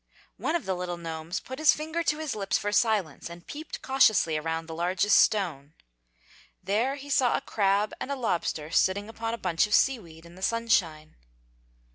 One of the little gnomes put his finger to his lips for silence and peeped cautiously around the largest stone. There he saw a crab and a lobster sitting upon a bunch of sea weed in the sunshine.